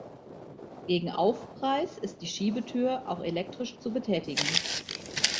Gegen Aufpreis ist die Schiebetür auch elektrisch zu betätigen.